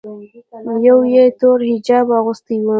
یوه یې تور حجاب اغوستی و.